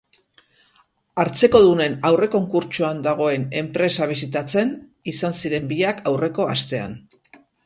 Hartzekodunen aurrekonkurtsoan dagoen enpresa bisitatzen izan ziren biak aurreko astean.